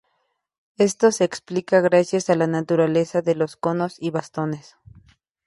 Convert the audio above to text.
Esto se explica gracias a la naturaleza de los conos y bastones.